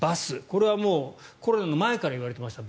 これはもうコロナの前から言われていました